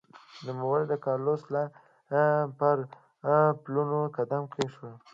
نوموړي د کارلوس سلایم پر پلونو قدم کېښود.